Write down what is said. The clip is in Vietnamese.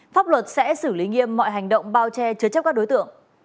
pháp luật sẽ xử lý nghiêm mọi hành động bao che chứa chấp các đối tượng